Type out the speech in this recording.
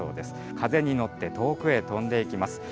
風に乗って遠くへ飛んでいきます。